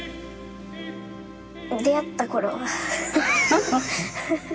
出会った頃は。